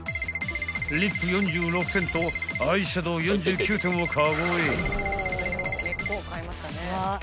［リップ４６点とアイシャドウ４９点をカゴへ］